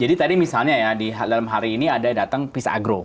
jadi tadi misalnya ya dalam hari ini ada datang peace agro